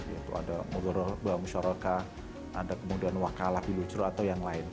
yaitu ada muda robah musyarokah ada kemudian wakalah bilucur atau yang lain